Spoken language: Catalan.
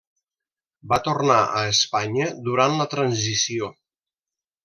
Va tornar a Espanya durant la Transició.